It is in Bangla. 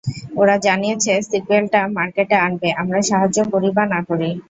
ওরা জানিয়েছে, সিক্যুয়েলটা মার্কেটে আনবে আমরা সাহায্য করি বা না করি।